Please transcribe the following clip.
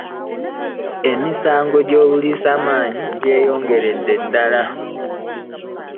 Emisango gyobuliisa maanyi gyeyongeredde ddala